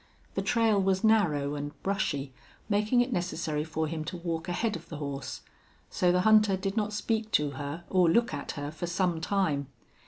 The trail was narrow and brushy, making it necessary for him to walk ahead of the horse. So the hunter did not speak to her or look at her for some time.